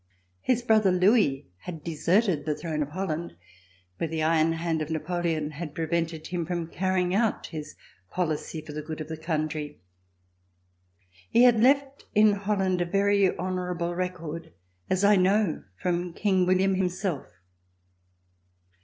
His brother Louis had deserted the throne of Holland where the iron hand of Napo leon had prevented him from carrying out his policy for the good of the country. He had left in Holland a very honorable record, as I know from King William himself.